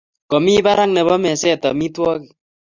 Kamii barak nebo meset amitwogik